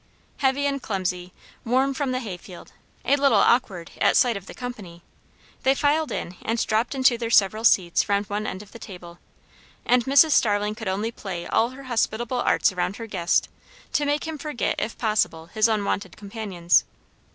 Heavy and clumsy, warm from the hay field, a little awkward at sight of the company, they filed in and dropped into their several seats round one end of the table; and Mrs. Starling could only play all her hospitable arts around her guest, to make him forget if possible his unwonted companions.